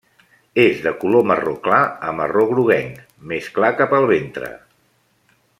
És de color marró clar a marró groguenc, més clar cap al ventre.